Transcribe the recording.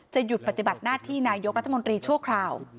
หยุดปฏิบัติหน้าที่นายกรัฐมนตรีชั่วคราว